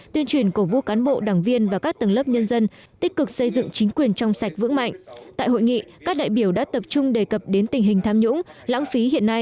tuyên truyền cổ vũ cán bộ đảng viên và các tầng lớp nhân dân tích cực xây dựng chính quyền trong sạch vững mạnh